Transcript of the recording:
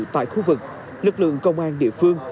tại khu vực lực lượng công an địa phương